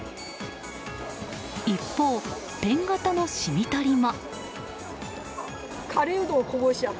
一方、ペン型のシミ取りも。